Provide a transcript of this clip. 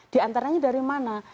di antaranya dari mana